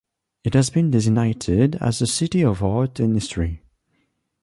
It has been designated as a "City of Art and History".